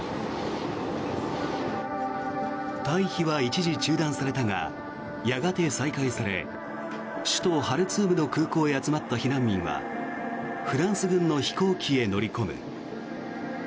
退避は一時、中断されたがやがて再開され首都ハルツームの空港へ集まった避難民はフランス軍の飛行機へ乗り込む。